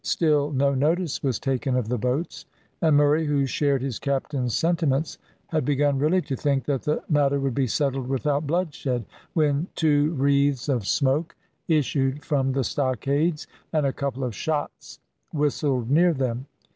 Still no notice was taken of the boats, and Murray, who shared his captain's sentiments, had begun really to think that the matter would be settled without bloodshed, when two wreaths of smoke issued from the stockades, and a couple of shots whistled near them.